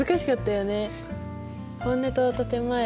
本音と建て前。